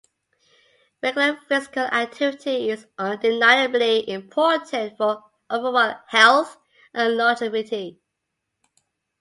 Regular physical activity is undeniably important for overall health and longevity.